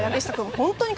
本当に。